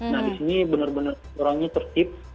nah di sini benar benar orangnya tertib